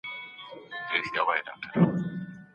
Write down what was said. پلار مي ماته د لیکلو هنر وښود.